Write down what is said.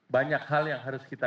banyak hal yang harus kita